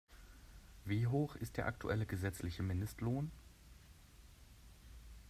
Wie hoch ist der aktuelle gesetzliche Mindestlohn?